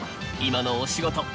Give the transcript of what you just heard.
今のお仕事